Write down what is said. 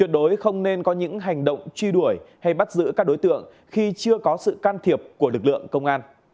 đối không nên có những hành động truy đuổi hay bắt giữ các đối tượng khi chưa có sự can thiệp của lực lượng công an